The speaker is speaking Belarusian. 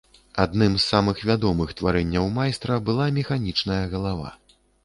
Адным з самых вядомых тварэнняў майстра была механічная галава.